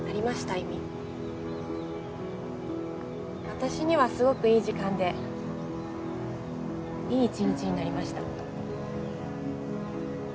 私にはすごくいい時間でいい一日になりました